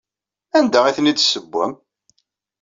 Anda ay ten-id-tessewwem?